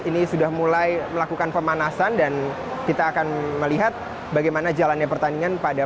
ini sudah mulai melakukan pemanasan dan kita akan melihat bagaimana jalannya pertandingan pada